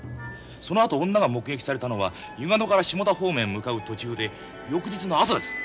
そのあと女が目撃されたのは湯ヶ野から下田方面へ向かう途中で翌日の朝です。